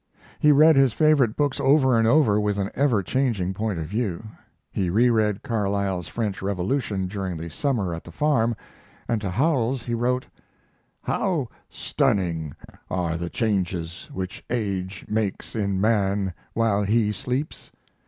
He read his favorite books over and over with an ever changing point of view. He re read Carlyle's French Revolution during the summer at the farm, and to Howells he wrote: How stunning are the changes which age makes in man while he sleeps!